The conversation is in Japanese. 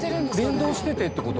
連動しててって事？